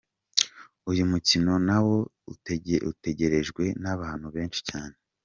Uyu mukino nawo utegerejwe n'abantu benshi cyane.